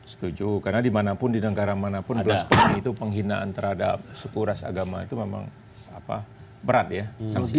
setuju karena dimanapun di negara manapun belas pagi itu penghinaan terhadap suku ras agama itu memang berat ya sanksinya